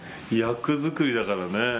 役作りだからね。